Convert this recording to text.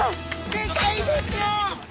でかいですよ。